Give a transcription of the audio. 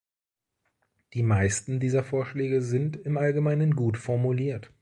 Die meisten dieser Vorschläge sind im Allgemeinen gut formuliert.